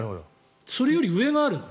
それより上があるの？